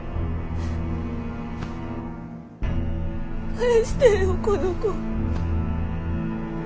返してよこの子。